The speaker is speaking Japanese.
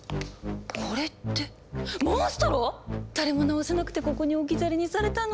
これってモンストロ⁉誰も治せなくてここに置き去りにされたの？